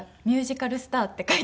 ミュージカルスターって。